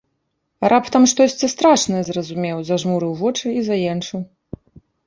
Раптам штосьці страшнае зразумеў, зажмурыў вочы і заенчыў.